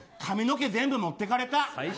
髪の毛、全部持ってかれた。